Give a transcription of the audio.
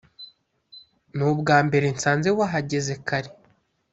Nubwambere nsanze wahageze kare